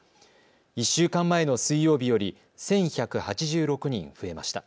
１週間前の水曜日より１１８６人増えました。